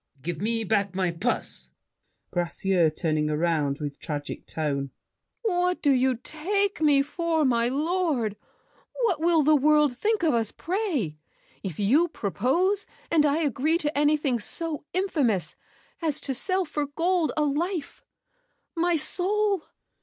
Give me back My purse! GRACIEUX (turning around, with tragic tone). What do you take me for, my lord? What will the world think of us, pray, if you Propose and I agree to anything So infamous as sell for gold a life, My soul?